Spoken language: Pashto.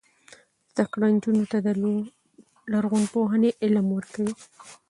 زده کړه نجونو ته د لرغونپوهنې علم ورکوي.